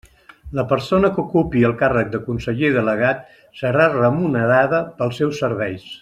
La persona que ocupi el càrrec de conseller delegat serà remunerada pels seus serveis.